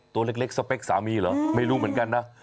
ตัวเล็กสเปคสามีเหรอไม่รู้เหมือนกันนะ